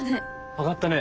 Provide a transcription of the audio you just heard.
上がったね。